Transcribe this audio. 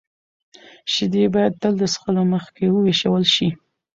شیدې باید تل د څښلو مخکې ویشول شي.